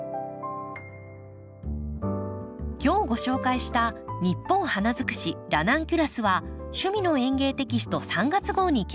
今日ご紹介した「ニッポン花づくしラナンキュラス」は「趣味の園芸」テキスト３月号に掲載されています。